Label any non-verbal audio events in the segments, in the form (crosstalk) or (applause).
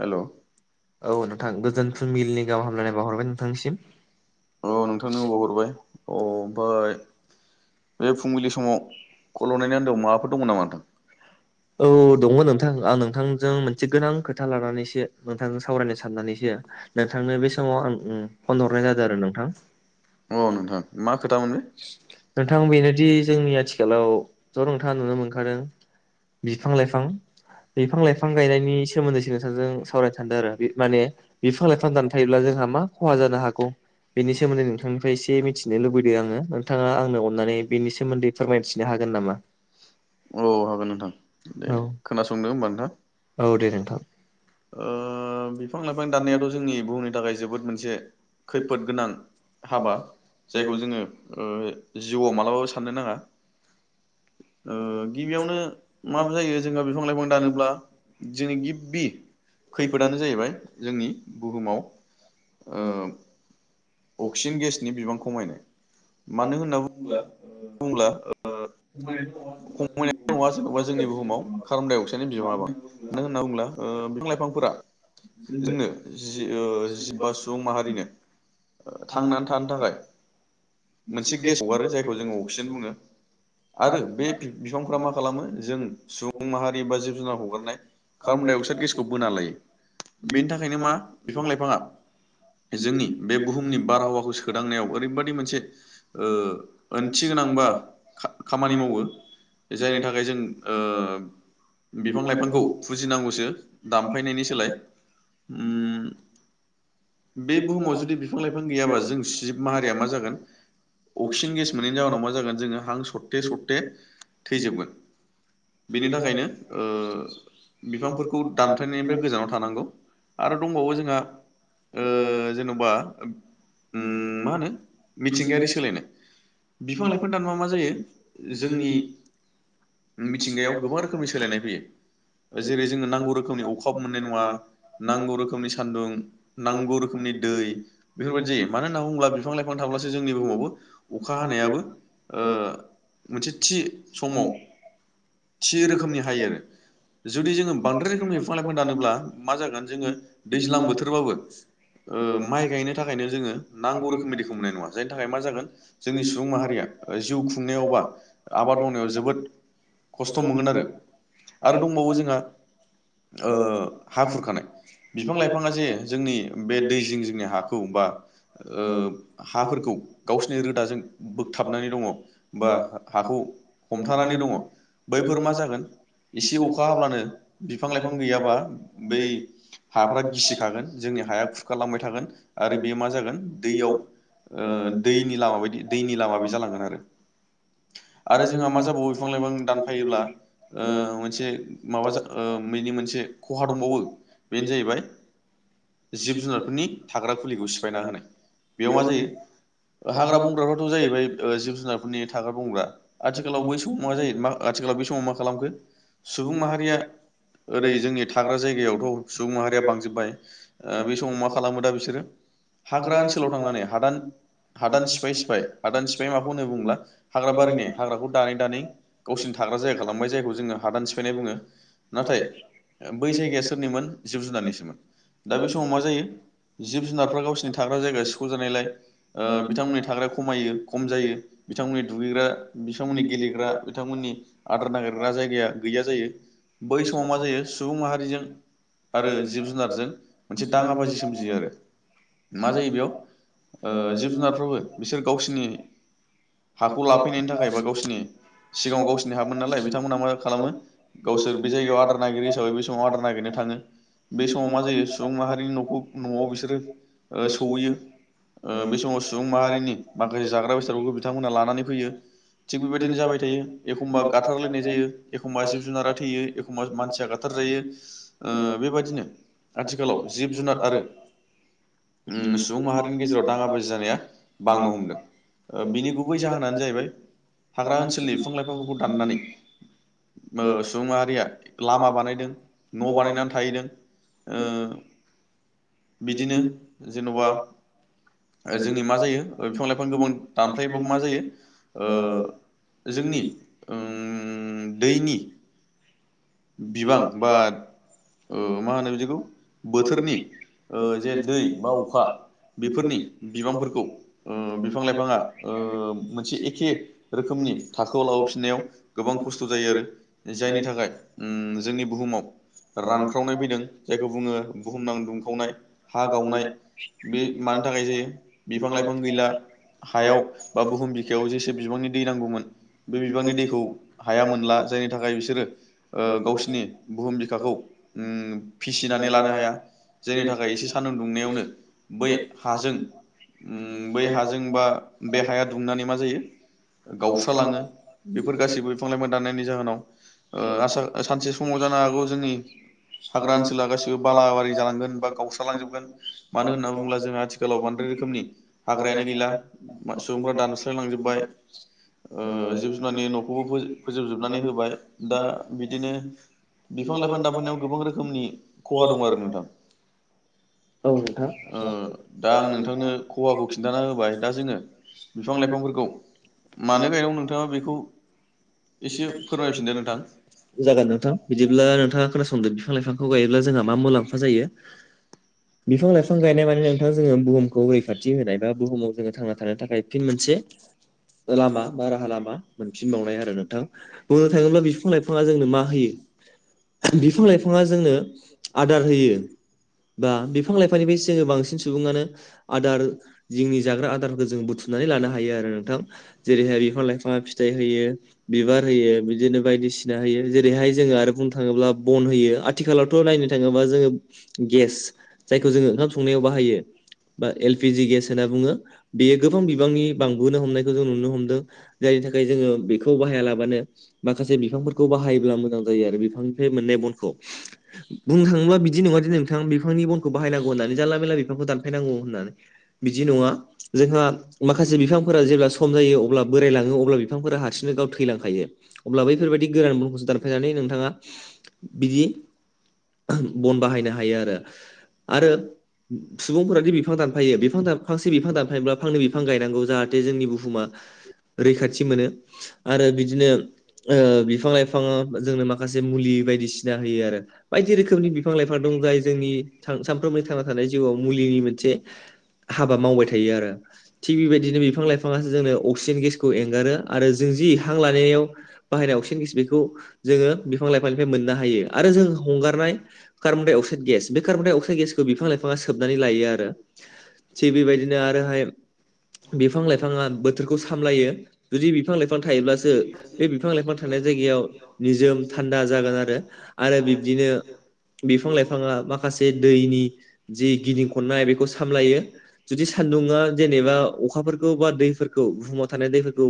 हेल' औ औ नोंथां गोजोन फुंबिलनि गाहाम हामलायनाय बावाहरबाय नोंथांनिसिम नोंथांनो अबाव हरबाय अ ओमफ्राय बे फुंबिलि समाव कल हरनायनि आन्दोआव माबाफोर दंमोन नामा नोंथां? औ दङ नोंथां आं नोंथां जों मोनसे गोनां खोथा लानानैसो नोंथांजों सावरायनो साननानैसो नोंथांनो बे समाव आं ओम फन हरनाय जादों आरो नोंथां औ नोंथां मा खोथामोन बे? नोंथां बेनोदि जोंनि आथिखालाव थ' नोंथाङा नुनो मोनखादों बिफां लाइफां बिफां लाइफां फां गायनायनि सोमोन्दैसो नोंथांजों सावरायनो सानदों आरो माने बिफां लाइफां दान फायोब्ला जोंहा मा खहा जानो हागौ बेनि सोमोन्दै नोंथांनिफ्राय एसे मिथिनो लुबैदों आङो नोंथाङा आंनो अननानै बेनि सोमोन्दै फोरमायथिनो हागोन नामा? औ हागोन नोंथां दे औ खोनासंदो होमबा नोंथां औ दे नोंथां ओ बिफां लाइफां दाननायाथ जोंनि बुहुमनि थाखाय जोबोद मोनसे खैफोद गोनां हाबा जायखौ जोङो ओ जिउआव मालाबाबो साननो नाङा ओ गिबियावनो माबा जायो जों गामियाव बिफां लाइफां दानोब्ला जोंनि गिबि खैफोदानो जाहैबाय जोंनि बुहुमाव ओ अक्सिजेन गेसनि बिबां खमायनाय मानो होननानै बुङो बुंब्ला खमायनाय नङा जेनबा जोंनि बुहुमाव कार्बनडाइ अक्साइडनि बिबाङा बांगोन मानो होनना बुङोब्ला ओ बिफां लाइफांफोरा जोंनो जि ओ जि जिब बा सुबुं माहारिनो थांनानै थानो थाखाय मोनसे गेस हगारो जायखौ जोङो अक्सिजेन बुङो आरो बे बि बिफांफ्रा मा खालामो जों सुबुं माहारि बा जिब जुनार हगारनाय कार्बनडाइ अक्साइड गेसखौ बोना लायो बेनि थाखायनो मा बिफां लाइफाङा जोंनि बे बुहुमनि बारहावाखौ सोदांनायाव ओरैबायदि मोनसे ओ ओंथि गोनांबा खा खामानि मावो जायनि थाखाय जों ओ बिफां लाइफांखौ फुजिनांगौसो दानफायनायनि सोलाय ओम बे बुहुमाव जुदि बिफां लाइफां गैयाबा जों जिब माहारिया मा जागोन अक्सिजेन गेस मोनैनि जाहोनाव मा जागोन जों हां सरथे सरथे थैजोबगोन बेनि थाखायनो ओ बिफांफोरखौ दानफायनायनिफ्राय गोजानाव थानांगौ। आरो दंबावो जोंहा ओ जेनबा उम मा होनो मिथिंगायारि सोलायनाय बिफां लाइफां दानोबा मा जायो जोंनि (inaudible) मिथिंगायाव गोबां रोखोमनि सोलायनाय फैयो जेरै जोंनो नांगौ रोखोमनि अखाबो मोननाय नङा नांगौ रोखोमनि सान्दुं नांगौ रोखोमनि दै बेफोरबायदि जायो मानो होनना बुङोब्ला बिफां लाइफां थाब्लासो जोंनि बुहुमावबो अखा हानायाबो ओ मोनसे थि समाव। थि रोखोमनि हायो जुदि जोङो बांद्राय रोखोमनि बिफां लाइफां दानोब्ला मा जागोन जोङो दैज्लां बोथोरबाबो ओ माइ गायनो थाखायनो जोङो नांगौ रोखोमनि दैखौ मोननाय नङा जायनि थाखाय मा जागोन जोंनि सुबुं माहारिया जिउ खुंनायावबा आबाद जोबोद खस्थ'मोनगोन आरो-आरो दंबावो जोंहा हा खुरखानाय बिफां लाइफाङा जे जोंनि बे दै जिं जोंनि हाखौ बा हाफोरखौ गावसिनि रोदाजों बोगथाबनानै दङ बा हाखौ हमथानानै दङ। बैफोर मा जागोन एसे अखा हाब्लानो बिफां लाइफां गैयाबा बै हाफोरा गिसिखागोन जोंनि हाया खुरखालांबाय थागोन आरो बेयो मा जागोन दैयाव ओ दैनि लामा बायदि दैनि लामादि जालांगोन आरो। जोंहा मा जाबावो बिफां लाइफां दानफायोब्ला ओ मोनसे माबा ओ बेनि मोनसे खहा दंबावो बेनो जाहैबाय जिब जुनारफोरनि थाग्रा खुलिखौ सिफायना होनाय बेयाव मा जायो हाग्रा बंग्राफ्राथ' जाहैबाय जिब जुनारफोरनि थाग्रा बंग्रा। आथिखालाव बै समाव मा जायो आथिखालाव बे समाव मा खालामखो सुबुं माहारिया ओरै जोंनि थाग्रा जायगायावथ' सुबुं माहारिया बांजोबबाय ओ बे समाव मा खालामो दा बिसोरो हाग्रा ओनसोलाव थांनानै हादान-हादान सिफाय-सिफाय हादान सिफाय माखौ होननानै बुङोब्ला हाग्रा बारिनि हाग्राखौ दानै-दानै गावसिनि थाग्रा जायगा खालामबाय जायखौ जोङो हादान सिफायनाय बुङो। नाथाय बै जायगाया सोरनिमोन जिब जुनारनिसोमोन दा बे समाव मा जायो जिब जुनारफ्रा गावसिरनि थाग्रा जायगा सिख'जानायलाय बिथांमोननि थाग्रााया खमायो खम जायो बिथांमोननि दुगैग्रा बिथांमोननि गेलेग्रा बिथांमोननि आदार नागिरग्रा जायगाया गैया जायो बै समाव मा जायो सुबुं माहारिजों आरो जिब जुनारजों मोनसे दाङा बाजि सोमजियो आरो मा जायो बेयाव जिब जुनारफ्राबो बिसोर गावसिरनि हाखौ लाफैनाय थाखाय गावसिनि सिङाव गावोरनि हामोन नालाय बिथांमोना मा खालामो गावसोर बे जायगायाव आदार नागिरो हिसाबै बे समाव आदार नागिरनो थाङो बे समाव मा जायो सुबुं माहारिनि न'खौ न'आव बिसोरो सहैयो बे समाव सुबुं माहारिनि माखासे जाग्रा बेसादफोरखौ बिथांमोना लानानै फैयो। थिग बेबायदिनो जाबाय थायो एखमबा गाथारलायनाय जायो एखमबा जिब जुनारा थैयो एखमबा मानसिया गाथारजायो ओ बेबदिनो आथिखालाव जिब जुनार आरो सुबुं माहारिनि गेजेराव दाङाबाजि जानाया बांनो हमदों। बिनि गुबै जाहोनानो जाहैबाय हाग्रा ओनसोलनि बिफां लाइफांफोरखौ दाननानै सुबुं माहारिया लामा बानायदों न' बानायनानै थाहैदों ओ बिदिनो जेन'बा जोंनि मा जायो बिफां लाइफां गोबां दानफ्लायोब्ला मा जायो ओ जोंनि दैनि बिबां बा ओ मा होनो बिदिखौ बोथोरनि जे दै बा अखा बेफोरनि बिबांफोरखौ बिफां लाइफाङा मोनसे एखे रोखोमनि थाखोआव लाबोफिननायाव गोबां खस्थ' जायो आरो जायनि थाखाय जोंनि बुहुमाव रानख्रावनाय फैदों जायखौ बुङो बुहुम नां दुंखावनाय हा गावनाय बे मानि थाखाय जायो बिफां लाइफां गैला हायाव बा बुहुम बिखायाव जेसे बिबांनि दै नांगौमोन बे बिबांनि दैखौ हाया मोनला जायनि थाखाय बिसोरो ओ गावसोरनि बुहुम बिखाखौ फिसिनानै लानो हाया जायनि थाखाय एसे सानदुं दुंनायावनो बै हाजों बै हाजों बा बे हाया दुंनानै मा जायो? गावस्रालाङो बेफोर गाैबो बिफां लाइफां दाननायनि जाहोनाव ओ आसा सानसे समाव जानो हागौ जोंनि हाग्रा ओनसोला गाैबो बालाबारि जालांगोन बा गावस्र लांजोबगोन मानो होनना बुङोब्ला जोंहा आथिखालाव बांद्राय रोखोमनि हाग्रायानो गैला सुबुंफोरा दानस्र्लाय लांजोब्बाय। ओ जिब जुनारनि न'खौबो फोजोबजोबनानै होबाय दा बिदिनो बिफां लाइफां दाफोनायाव गोबां रोखोमनि खहा दं आरो नोंथां औ नोंथां औ। ओ दा आं जागोन नोंथांनो खहाखौ खिन्थाना होबाय दा जोङो बिफां लाइफांफोरखौ मानो गायनांगौ नोंथाङा बेखौ एसे फोरमायफिनदो नोंथां नोंथां बिदिब्ला नोंथाङा खोनासंदो बिफां लाइफांखौ गायोब्ला जोंहा मा मुलामफ मा जायो? बिफां लाइफां गायनाय माने नोंथां जोङो बुहुमखौ रैखाथि होनाय बा बुहुमाव जोङो थांना थाखाय फिन मोनसे लामा बा राहा लामा मोनफिनबावनाय आरो नोंथां बुंनो थाङोब्ला बिफां लाइफाङा जोंनो मा होयो बिफां लाइफाङा जोंनो आदार होयो। बा बिफां लाइफांनिफ्राय जोङो बांसिन सुबुङानो आदार जिोंनि जाग्रा आदारखौ जों बुथुम सनानै लानो हायो आरो नोंथां जेरैहाय बिफां लाइफां फिथाइ होयो बिबार होयो बिदिनो बायदिसिना होयो जेरैहाय जोङो आरो बुंनो थाङोब्ला बन होयो। आथिखालावथ' नायनो थाङोबा जोङो गेस जायखौ जोङो ओंखाम संनायाव बाहायो बा एलपििजि गेस होनना बुङो बेयो गोबां बिबांनि बांबोनो हमनायखौ जों नुनो हमदों जायनि थाखाय जोङो बेखौ बाहायालाबानो माखासे बिफांफोरखौ बाहायोब्ला मोजां जायो आरो बिफांनिफ्राय मोननाय बनखौ। बुंनो थाङोब्ला बिदि नङा दि नोंथां बे नांनि बनखौ बाहायनांगौ होननानै जानला मेला बिफांखौ दानफायनांगौ होननानै बिदि नङा जोंहा माखासे बिफांफोरा जेब्ला सम जायो अब्ला बोराय लाङो अब्ला बिफांफोरा हारसिंनो गाव थैलांखायो अब्ला बैफोरबायाददि गोरान बनखौसो दानफायनानै नोंथाङा बिदि बन बाहायनो हायो आरो आरो सुबुंफोरााद बिफां दानफायो बिफां फांसे बिफां दानफायोब्ला फांनै बिफां गायनांगौ जाहाथे जोंनि बुहुमा रैखाथि मोनो आरो बिदिनो बिफां लाइफाङा जोंनो माखासे मुलि बायदिसिना होयो आरो बायदि रोखोमनि बिफां लाइफां दं जाय जोंनि सानफ्रामनि थांना थानाय जिउआव मुलिनि मोनसे हाबा मावबाय थायो आरो थिग बेबायदिनो बिफां लाइफांङा अक्सिजेन गेसखौ एंगारो आरो जों जि हां लानायाव बाहायनाय अक्सिजेन गेस बेखौ जोङो बिफां लाइफांनिफ्राय मोननो हायो आरो जों हंगारनाय कार्बन डाइ अक्साइड गेस बे कार्बन डाइ अक्साइड गेसखौ बिफां लाइफाङा सोबनानै लायो आरो थिग बेबायदिनो आरोहाय बिफां लाइफांङा रैखाथि खौ सामलायो जुदि बिफां लाइफां थायोब्लासो बे बिफां लाइफां थानाय जायगायाव निजोम थान्दा जागोन आरो आरो बिब्दिनो बिफां लाइफाङा माखासे माखासे दैनि जि गिदिं खननाय बेखौ सामलायो जुदि सान्दुङा जेनेबा अखाफोरखौ बा दैफोरखौ बुहुमाव थानाय दैफोरखौ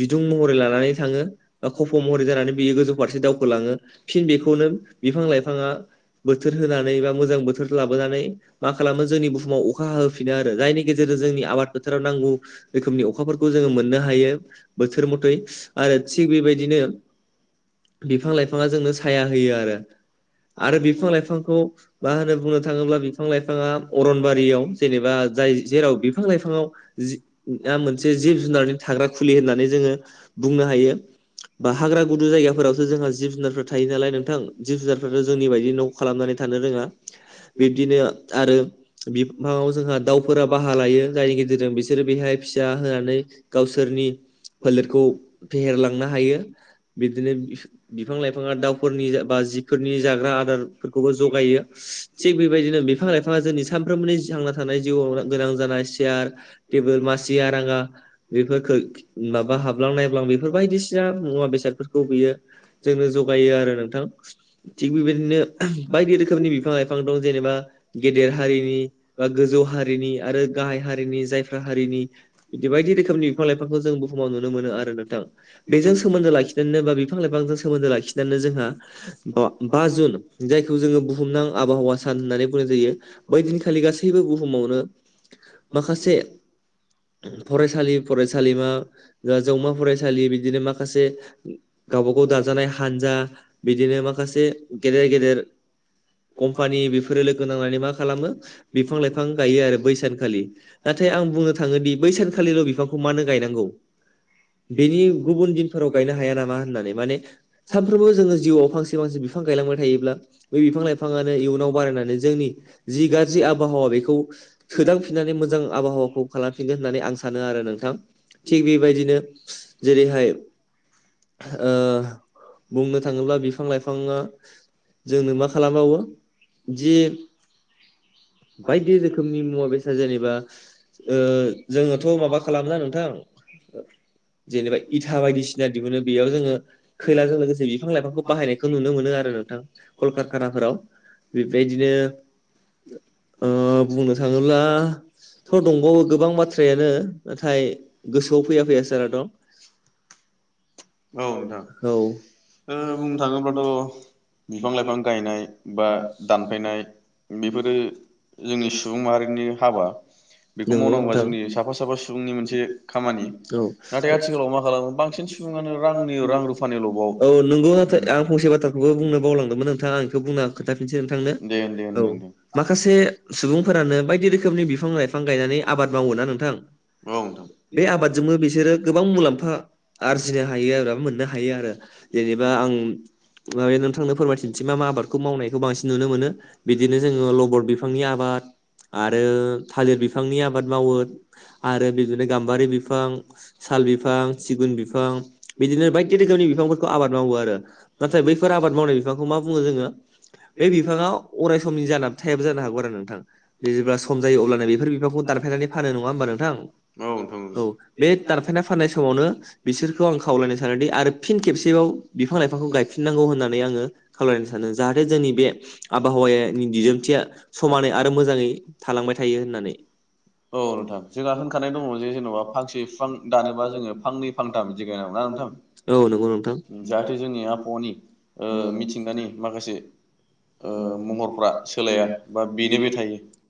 बिदुं महरै लानानै थाङो बा खफ' महरै जानानै बियो गोजौ फारसे दावखोलाङो फिन बेखौनो बिफां लाइफाङा बोथोर होनानै ब मोां बोथोर लाोनानै मा खालामो जोंनि बुहुमाव अखा ह हाहोफिनो आरो जायनि गेजेरजों जोंनि आबाद फोथाराव नांगौ रोखोमनि अखाफोरखौ जोङो मोननो हायो। बोथोर मथै आरो थिग बेबायदिनो बिफां लाइफाङा जोंनो साया होयो आरो आरो बिफां लाइफांखौ मा होनो बुंनो थाङोब्ला बिफां लाइफाङा अरनबारियाव जेनेबा जाय जेराव बिफां लाइफाङाव मोनसे जिब जुनारनि थाग्रा फुलि होननानै जोङो बुंनो हायो बा हाग्रा गुदु जायगाफोरावसो जोंहा जिब जुनारफ्रा थायो नालाय नोंथां जिब जुनारफ्राथ' जोंनि बायदि न' खालामनानै थानो रोङा बिब्दिनो आरो बिफाङाव जोंहा दाउफोरा बाहा लायो जायनि गेजेरजों बिसोरो बेहाय फिसा होनानै गावसोरनि फोलेरखौ फेहेरलांनो हायो बिदिनो बिफां लाइफाङा दाउफोरनि बा जिफोरनि जाग्रा आदार खौबो जगायो थिग बेबायदिनो बिफां लाइफाङा जोंनि सानफ्रोमबोनि थांना थानाय जिउआव गोनां जानाय सेयार टेबोल मासि आरांगा बेफोरखौ बेफोरखौ माबा हाबलां नायब्लां बेफोर बायदिसिना मुवा बेसादफोरखौ बियो जोंनो जगायो आरो नोंथां थिग बेबायदिनो बायदि रोखोमनि बिफां लाइफां दं जेनेबा गेदेर हारिनि बा गोजौ हारिनि आरो गाहाय हारिनि जायफ्रा हारिनि बिदि बायदि रोखोमनि बिफां लाइफां- समाव नुनो मोनो आरो नोंथां बेजों सोमोन्दो लाखिनानैनो बा बिफां लाइफांजों सोमोन्दो लाखिनानैनो जोंहा बा जुन जायखौ जोङो बुहुमनां आबहावा सान होननानै बुंनाय जायो बै दिनखालि गासैबो बुहुमावनो माखासे फरायसालि फरायसालिमा जौमा फरायसालि बिदिनो माखासे गावबागाव दाजानाय हानजा बिदिनो माखासे गेदेर गेदेर ग कम्पानि बेफोरो लोगो नांनानै मा खालामो बिफां लाइफां गायो आरो बै सानखालि नाथाय आं बुंनो थाङो दि बै सानखालिल' बिफांखौ मानो गायनांगौ बेनि गुबुन दिनफोराव गायनो हाया नामा होननानै माने सानफ्रोमबो जोङो जिउआव फांसे फांसे बिफां गायलांबाय थायोब्ला बे बिफां लाइफाङानो इयुनाव बारायनानै जोंनि जि गाज्रि आबहावा बेखौ सोदांफिननानै मोजां आबहावाखौ खालाम फिनगोन होननानै आं सानो आरो नोंथां थिग बेबायदिनो जेरैहाय ओ बुंनो थाङोब्ला बिफां लाइफाङा जोंनो मा खालामबावो जि बायदि रोखोमनि मुवा बेसाद जेनेबा ओ जोङोथ' माबा खालामा नोंथां जेनेबा इथा बायदिसिना दिहुनो बेयाव जोङो खैलाजों लोगोसे बिफां लाइफांखौ बाहायनायखौ नुनो मोनो आरो नोंथां कलकारखानाफोराव बेबायदिनो ओ बुंनो थाङोब्ला थ' दंबावो गोबां बाथ्रायानो नाथाय गोसोआव फैया फैया जाना दं। औ औ नोंथां बुंनो थाङोब्लाथ' बिफां लाइफां गायनाय बा दानफायनाय बेफोरो जोंनि सुबुं माहारिनि हाबा बेखौ नंगौ मावनांगौआ नोंथां जोंनि साफा साफा सुबुंनि मोनसे खामानि नाथाय आथिखालाव मा खालामो बांसिन औ सुबुङानो रांनि रां रुफानि लबाव नंगौ नाथाय आं फंसे बाथ्राखौबो बुंनो बावलांदोंमोन नोंथाङा आं बेखौ बुंनां खोन्थाफिनसै नोंथांनो दे दे औ होनदों दे माखासे सुबुंफोरानो बायदि रोखोमनि बिफां लाइफां गायनानै आबाद मावो ना नोंथां नोंथां औ बे आबादजोंबो बिसोरो गोबां मुलाम्फा आरजिनो हायो आरो मोननो हायो आरो जेनेबा आं नोंथांनो फोरमायथिनोसै मा मा आबादखौ मावनायखौ बांसिन नुनो मोनो बिदिनो जोङो लबर बिफां नि आबाद आरो थालिर बिफांनि आबाद मावो आरो बिदिनो गामबारि बिफां साल बिफां सिगुन बिफां बिफां बिदिनो बायदि रोखोमनि बिफांफोरखौ आबाद मावो आरो नाथाय बैफोर आबाद मावनाय बिफांखौ मा बुङो जोङो बे बिफाङा अराय समनि जाना थायाबो जानो हागौ। नोंथां जेब्ला सम जायो अब्लानो बेफोर बिफाखौ दानफायनानै फानो नङा होमबा नोंथां औ बे दानफायना फाननाय समावनो बिसोरखौ आं खावलायनो सानोदि आरो फिन खेबसेबाव बिफां लाइफांखौ गायफिननांगौ होननानै आङो खावलायनो सानो जाहाथे जोंनि बे आबहावानि दिदोमथिया समानै आरो मोजाङै थालांबाय थायो होननानै औ नोंथां जोंहा होनखानाय दङ जे जेन'बा औ (unintelligible) नोंथाम नंगौ नोंथां जाहाथे जोंनि आबहावानि ओ मिथिंगानि माखासे ओ महरफ्रा सोलाया बा बेनोबो थायो।